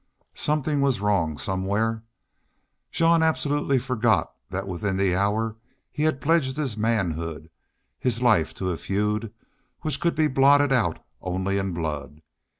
Something was wrong somewhere. Jean absolutely forgot that within the hour he had pledged his manhood, his life to a feud which could be blotted out only in blood.